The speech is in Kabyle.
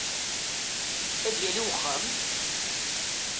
Ad yali wexxam!